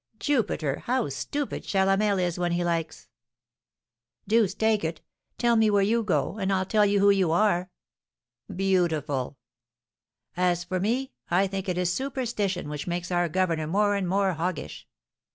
'" "Jupiter! How stupid Chalamel is when he likes!" "Deuce take it! Tell me where you go, and I'll tell you who you are!" "Beautiful!" "As for me, I think it is superstition which makes our governor more and more hoggish."